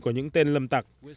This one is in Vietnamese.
của những tên lâm tặc